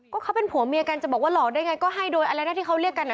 ก็เขาเป็นผัวเมียกันจะบอกว่าหลอกได้ไงก็ให้โดยอะไรนะที่เขาเรียกกัน